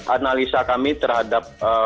analisa kami terhadap